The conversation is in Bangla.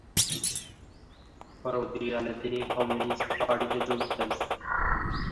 পরবর্তীকালে তিনি কমিউনিস্ট পার্টিতে যোগ দেন।